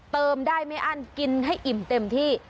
เติมได้ไม่อั้นกินให้อิ่มเต็มที่